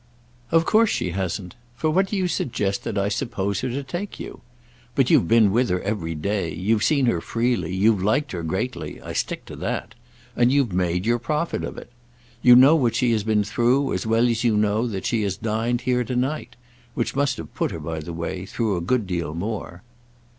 "Of course she hasn't. For what do you suggest that I suppose her to take you? But you've been with her every day, you've seen her freely, you've liked her greatly—I stick to that—and you've made your profit of it. You know what she has been through as well as you know that she has dined here to night—which must have put her, by the way, through a good deal more."